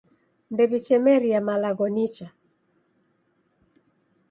Ndew'ichemeria malagho nicha.